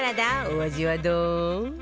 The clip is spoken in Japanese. お味はどう？